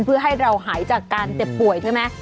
เพื่อให้เราหายจากการเจ็บป่วยใช่ไหม